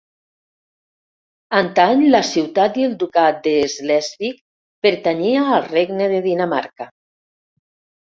Antany la ciutat i el ducat de Slesvig pertanyia al regne de Dinamarca.